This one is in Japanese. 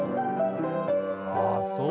ああそう。